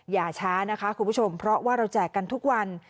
อย่าช้านะคะคุณผู้ชมเพราะว่าเราแจกกันทุกวัน